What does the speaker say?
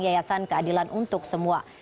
yayasan keadilan untuk semua